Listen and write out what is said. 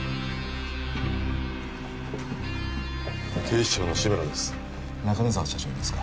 警視庁の志村です